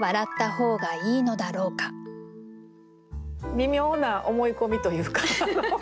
微妙な思い込みというか。